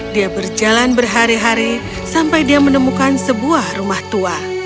dia berjalan berhari hari sampai dia menemukan sebuah rumah tua